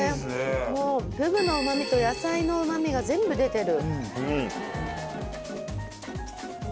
フグのうまみと野菜のうまみが全部出てる。